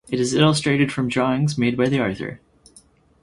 It is illustrated from drawings made by the author.